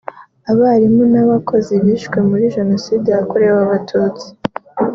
abarimu n’abakozi bishwe muri Jenoside yakorewe abatutsi